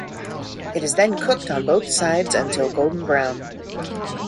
It is then cooked on both sides until golden brown.